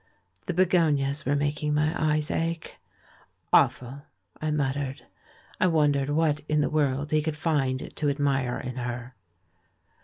The begonias were making my eyes ache. "Awful," I muttered. I wondered what in the world he could find to admire in her.